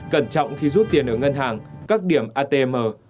cẩn trọng khi rút tiền ở ngân hàng các điểm atm